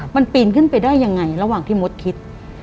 มันปีนขึ้นไปได้ยังไงระหว่างที่มดคิด